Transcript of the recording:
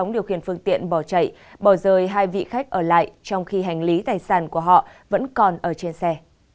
điều khiển phương tiện bỏ chạy bỏ rời hai vị khách ở lại trong khi hành lý tài sản của họ vẫn còn ở trên xe